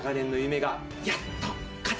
やっと。